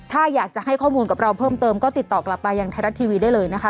ถ้าอยากจะให้ข้อมูลกับเราเพิ่มเติมก็ติดต่อกลับไปยังไทยรัฐทีวีได้เลยนะคะ